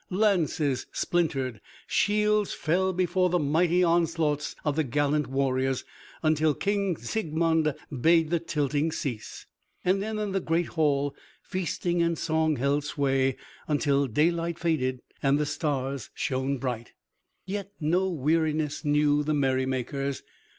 Lances splintered, shields fell before the mighty onslaughts of the gallant warriors, until King Siegmund bade the tilting cease. Then in the great hall feasting and song held sway until daylight faded and the stars shone bright. Yet no weariness knew the merrymakers.